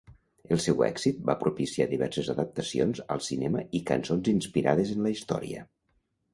El seu èxit va propiciar diverses adaptacions al cinema i cançons inspirades en la història.